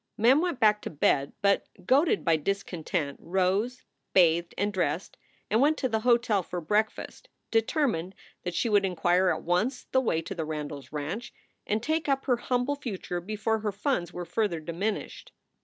Mem went back to bed, but, goaded by discontent, rose, bathed, and dressed, and went to the hotel for breakfast, determined that she would inquire at once the way to the Randies ranch and take up her humble future before her funds were further diminished.